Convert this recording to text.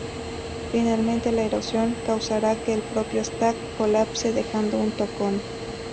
Finalmente, la erosión causara que el propio "stack" colapse, dejando un tocón.